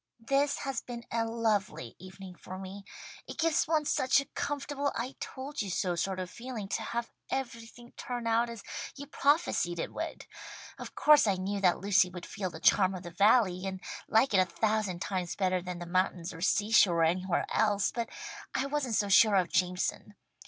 "This has been a lovely evening for me. It gives one such a comfortable I told you so sort of feeling to have everything turn out as you prophesied it would. Of course I knew that Lucy would feel the charm of the Valley, and like it a thousand times better than the mountains or seashore or anywhere else, but I wasn't so sure of Jameson.